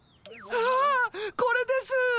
あこれです！